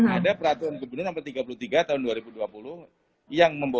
ada peraturan gubernur nomor tiga puluh tiga tahun dua ribu dua puluh